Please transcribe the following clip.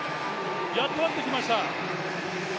やっと合ってきました。